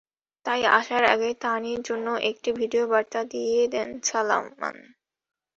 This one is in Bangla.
তাই আসার আগে তানির জন্য একটি ভিডিও বার্তা দিয়ে দেন সালমান।